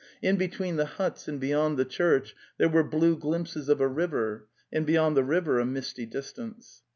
In between the huts and beyond the church there were blue glimpses of a river, and beyond the river a misty distance.